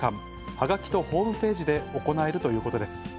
はがきとホームページで行えるということです。